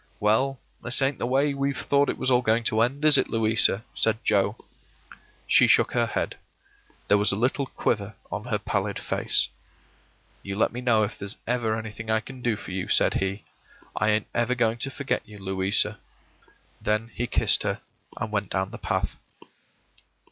“Well, this ain't the way we've thought it was all going to end, is it, Louisa?” said Joe. She shook her head. There was a little quiver on her placid face. “You let me know if there's ever anything I can do for you,” said he. “I ain't ever going to forget you, Louisa.” Then he kissed her, and went down the path.